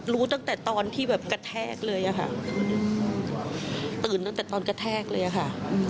รู้ตั้งแต่ตอนที่แบบกระแทกเลยอะค่ะตื่นตั้งแต่ตอนกระแทกเลยอะค่ะ